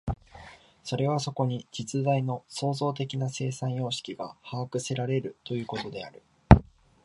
それはそこに実在の創造的な生産様式が把握せられるということである。